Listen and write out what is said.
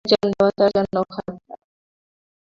একজন দেবতার জন্যও খারাপ না।